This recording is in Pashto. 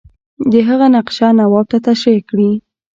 د هغه نقشه نواب ته تشریح کړي.